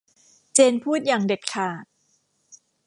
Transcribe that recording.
เจนพูดอย่างเด็ดขาด